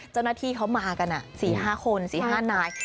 เจ้าหน้าที่เขามากัน๔๕คน๔๕นาย